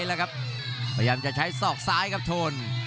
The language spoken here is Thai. พยายามจะใช้ศอกซ้ายครับโทน